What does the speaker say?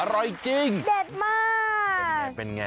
อร่อยจริงเด็ดมากเป็นอย่างไร